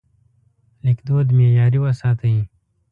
لیکدود معیاري وساتئ.